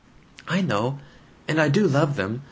"I know. And I do love them.